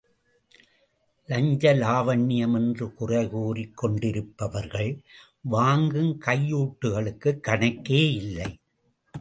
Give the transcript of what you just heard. லஞ்ச லாவண்யம் என்று குறைகூறிக் கொண்டிருப்பவர்கள் வாங்கும் கையூட்டுகளுக்குக் கணக்கே இல்லை!